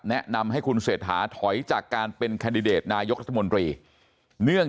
แนะนำให้คุณเศรษฐาถอยจากการเป็นแคนดิเดตนายกรัฐมนตรีเนื่อง